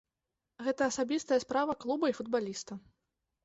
Гэта асабістая справа клуба і футбаліста.